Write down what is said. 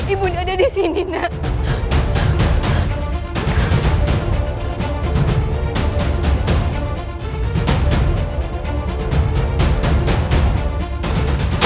ibu ada di sini nak